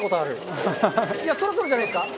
そろそろじゃないですか？